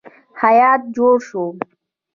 هیات جوړ شو.